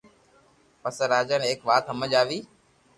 پسي راجا ني ايڪ وات ھمج آوي